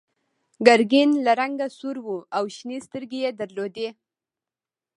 ګرګین له رنګه سور و او شنې سترګې یې درلودې.